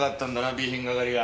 備品係が。